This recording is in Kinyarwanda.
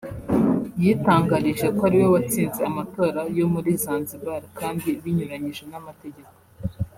yitangarije ko ari we watsinze amatora yo muri Zanzibar kandi binyuranyije n’amategeko